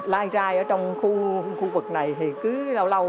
lai rai ở trong khu vực này thì cứ đau lâu